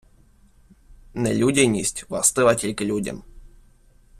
Нелюдяність властива тільки людям.